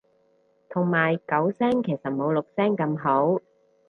同埋九聲其實冇六聲咁好